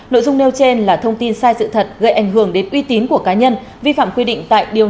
nội dung nêu trên là thông tin sai sự thật gây ảnh hưởng đến uy tín của cá nhân vi phạm quy định tại điều năm